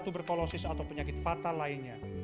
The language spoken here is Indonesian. tuberkulosis atau penyakit fatal lainnya